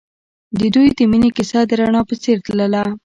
د دوی د مینې کیسه د رڼا په څېر تلله.